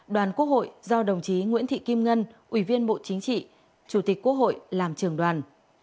đoàn quốc hội do đồng chí nguyễn thị kim ngân ủy viên bộ chính trị chủ tịch quốc hội làm trường đoàn